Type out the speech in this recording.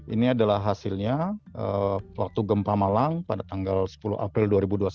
ini adalah hasilnya waktu gempa malang pada tanggal sepuluh april dua ribu dua puluh satu